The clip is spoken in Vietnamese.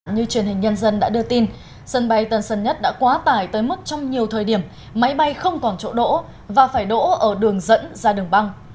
như truyền hình nhân dân đã đưa tin sân bay tân sơn nhất đã quá tải tới mức trong nhiều thời điểm máy bay không còn chỗ đỗ và phải đỗ ở đường dẫn ra đường băng